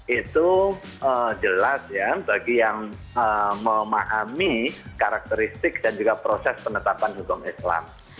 itu jelas ya bagi yang memahami karakteristik dan juga proses penetapan hukum islam